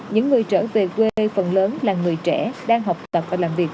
những người trở về quê phần lớn là người trẻ đang học tập và làm việc